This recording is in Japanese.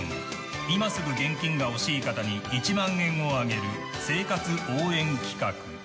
今すぐ現金が欲しい方に１万円をあげる生活応援企画。